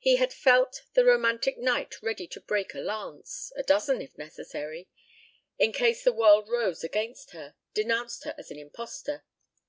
He had felt the romantic knight ready to break a lance a dozen if necessary in case the world rose against her, denounced her as an impostor.